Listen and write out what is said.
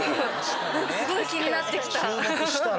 何かすごい気になってきた。